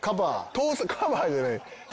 盗作カバーじゃない。